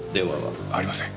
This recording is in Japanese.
ありません。